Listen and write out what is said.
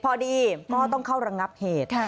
พอดีพ่อต้องเข้าระงับเหตุ